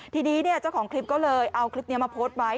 ทีนี้เจ้าของคลิปก็เลยเอาคลิปนี้มาโพสต์ไว้